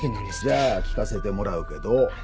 じゃあ聞かせてもらうけど。